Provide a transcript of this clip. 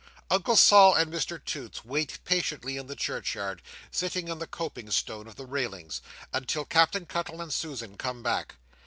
Uncle Sol and Mr Toots wait patiently in the churchyard, sitting on the coping stone of the railings, until Captain Cuttle and Susan come back.